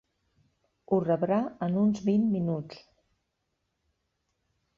Ho rebrà en uns vint minuts.